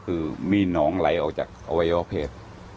คือมีดน้องไหลออกจากอวัยวะเพศ